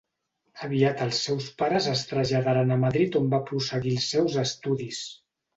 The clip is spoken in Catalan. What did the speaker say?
Aviat els seus pares es traslladaren a Madrid on va prosseguir els seus estudis.